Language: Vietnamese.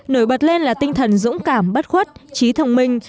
nổi bật lên là tinh thần dũng cảm bất khuất trí thông minh